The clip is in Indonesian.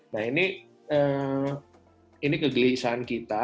nah ini kegelisahan kita